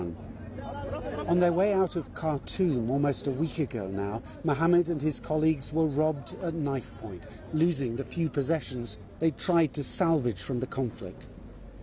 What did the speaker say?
はい。